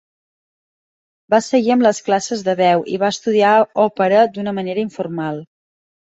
Va seguir amb les classes de veu i va estudiar òpera d'una manera informal.